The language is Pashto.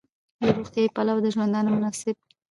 له روغتیايي پلوه د ژوندانه مناسب